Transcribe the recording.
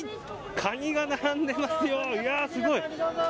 カニが並んでますよ、すごい！